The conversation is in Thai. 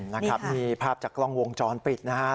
นี่ภาพจากกล้องวงจรปิดนะฮะ